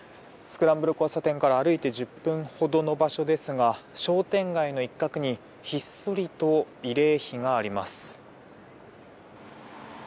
スクランブル交差点から歩いて１０分ほどの場所ですが商店街の一角にひっそりと慰霊碑があります。